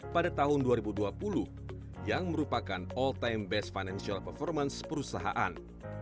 pada tahun dua ribu dua puluh yang merupakan all time based financial performance perusahaan